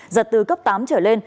giật từ cấp tám trở lên